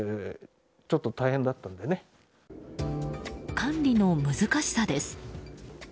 管理の難しさです。